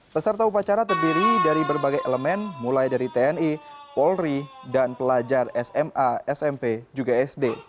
peserta upacara terdiri dari berbagai elemen mulai dari tni polri dan pelajar sma smp juga sd